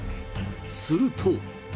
すると。